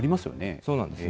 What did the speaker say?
そうなんですね。